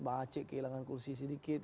mbak aceh kehilangan kursi sedikit